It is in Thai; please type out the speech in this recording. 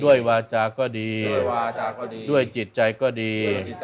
ด้วยวาจาก็ดีด้วยวาจาก็ดีด้วยจิตใจก็ดี